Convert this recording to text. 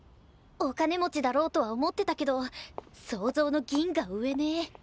お金持ちだろうとは思ってたけど想像の銀河上ね。